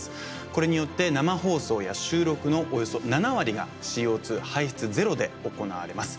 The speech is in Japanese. これによって生放送や収録のおよそ７割がＣＯ排出ゼロで行われます。